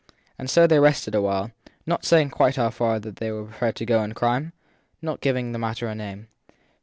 And so they rested awhile ; not saying quite how far they were prepared to go in crime not giving the matter a name.